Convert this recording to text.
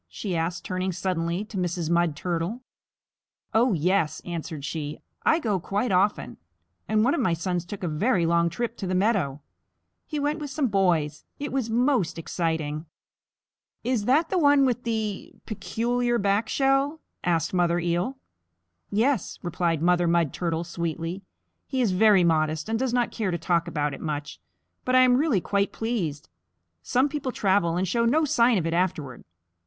she asked, turning suddenly to Mrs. Mud Turtle. "Oh, yes," answered she. "I go quite often, and one of my sons took a very long trip to the meadow. He went with some boys. It was most exciting." [Illustration: SHE WAS TALKING WITH MOTHER MUD TURTLE. Page 160] "Is that the one with the peculiar back shell?" asked Mother Eel. "Yes," replied Mother Mud Turtle sweetly. "He is very modest and does not care to talk about it much, but I am really quite pleased. Some people travel and show no sign of it afterward.